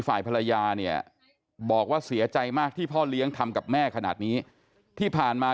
แต่ว่าการได้จิตต้นกับจิตตัวมา